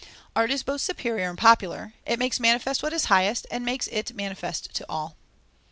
Art is both superior and popular; it makes manifest what is highest, and makes it manifest to all.